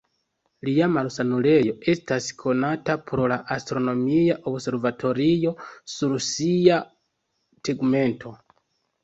Lia malsanulejo estas konata pro la astronomia observatorio sur sia tegmento.